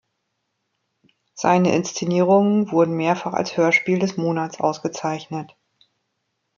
Seine Inszenierungen wurden mehrfach als Hörspiel des Monats ausgezeichnet.